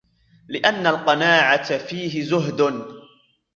لِأَنَّ الْقَنَاعَةَ فِيهِ زُهْدٌ